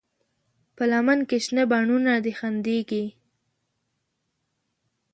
په لمن کې شنه بڼوڼه دي خندېږي